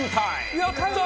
やったー！